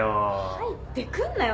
入ってくんなよ